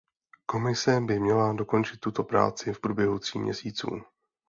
Komise by měla dokončit tuto práci v průběhu tří měsíců.